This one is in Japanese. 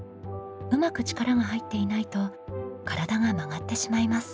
うまく力が入っていないと体が曲がってしまいます。